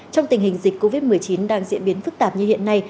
trong tình hình dịch covid một mươi chín đang diễn biến phức tạp như hiện nay